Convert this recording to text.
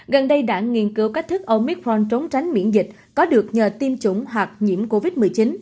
gần đây đã nghiên cứu cách thức ông mitphone trốn tránh miễn dịch có được nhờ tiêm chủng hoặc nhiễm covid một mươi chín